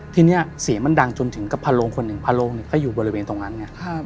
ทีนี้เสียงมันดังจนถึงกะพะโหลคนผู้นำเขินมายอยดตรงนี้